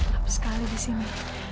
lap sekali di sini